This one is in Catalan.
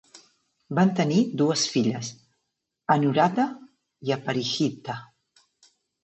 Van tenir dues filles, Anuradha i Aparijitha.